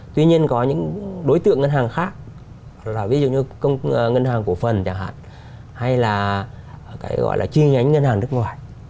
tuy nhiên có những đối tượng ngân hàng khác ví dụ như ngân hàng cổ phần chẳng hạn hay là cái gọi là chi nhánh ngân hàng nước ngoài